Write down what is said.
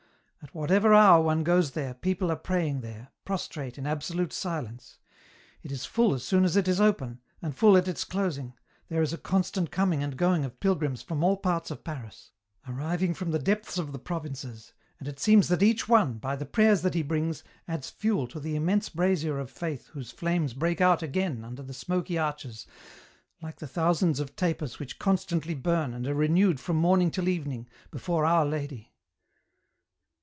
At whatever hour one goes there people are pray ing there, prostrate in absolute silence ; it is full as soon as it is open, and full at its closing, there is a constant coming and going of pilgrims from all parts of Paris, arriving from the depths of the provinces, and it seems that each one, by the prayers that he brings, adds fuel to the immense brazier of Faith whose flames break out again under the smoky arches like the thousands of tapers which constantly burn, and are renewed from morning till evening, before Our Lady.